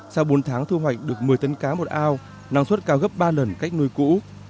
sau bốn tháng thu hoạch được một mươi tấn cá một ao năng suất cao gấp ba lần cách nuôi cũ